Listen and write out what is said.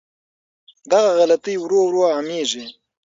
دغه غلطۍ ورو ورو عامېږي.